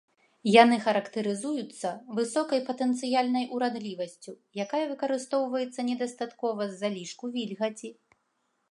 Яны характарызуюцца высокай патэнцыяльнай урадлівасцю, якая выкарыстоўваецца недастаткова з-за лішку вільгаці.